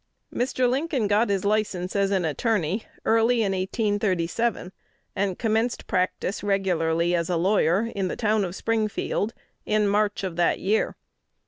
Mr. Lincoln got his license as an attorney early in 1837, "and commenced practice regularly as a lawyer in the town of Springfield in March" of that year.